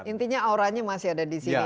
intinya auranya masih ada di sini